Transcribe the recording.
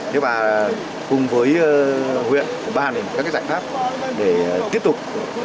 nhưng mà cùng với huyện bàn các giải pháp để tiếp tục